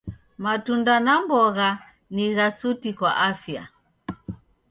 Matunda na mbogha ni gha suti kwa afya.